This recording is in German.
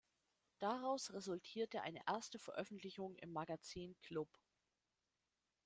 Daraus resultierte eine erste Veröffentlichung im Magazin "Club".